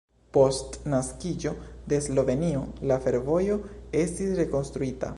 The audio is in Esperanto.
Post naskiĝo de Slovenio la fervojo estis rekonstruita.